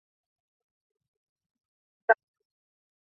毕业后她进入东京音乐大学师从著名日本作曲家伊福部昭。